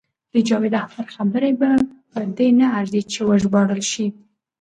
د جاوید اختر خبرې په دې نه ارزي چې وژباړل شي.